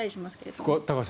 ここは高橋さん